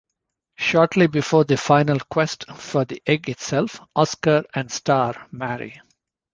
Shortly before the final Quest for the Egg itself, Oscar and Star marry.